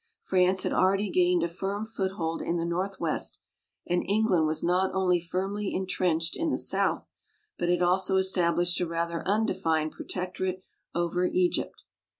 France had already gained a firm foothold in the northwest, and England was not only firmly intrenched in the South but had also established a rather undefined protectorate over Egypt.